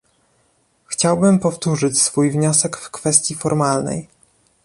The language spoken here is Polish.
Chciałbym powtórzyć swój wniosek w kwestii formalnej